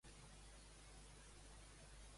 Quants germans va voler assassinar el déu?